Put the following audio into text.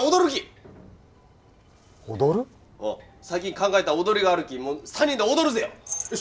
最近考えた踊りがあるき３人で踊るぜよ！